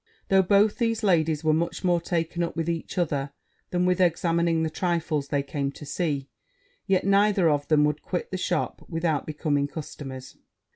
Though both these ladies were much more taken up with each other than with examining the trifles they came to see, yet neither of them would quit the shop without becoming customers.